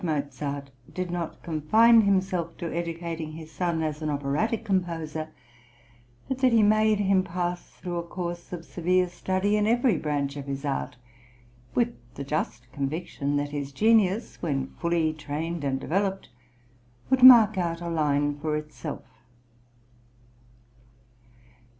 Mozart did not confine himself to educating his son as an operatic composer, but that he made him pass through a course of severe study in every branch of his art, with the just conviction that his genius, when fully trained and developed, would mark out a line for itself.